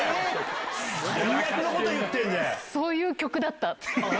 そういう曲だった。